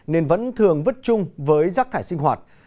nên vẫn thường vứt chung với rác thải sinh hoạt